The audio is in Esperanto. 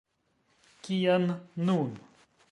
Kien nun.